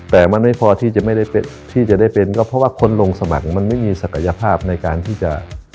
แต่มันไม่พอที่จะไม่ได้ที่จะได้เป็นก็เพราะว่าคนลงสมัครมันไม่มีศักยภาพในการที่จะ